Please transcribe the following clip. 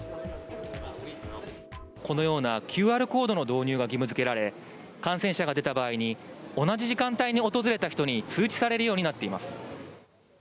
このようなＱＲコードの導入が義務づけられ、感染者が出た場合に、同じ時間帯に訪れた人に通知されるようになっています。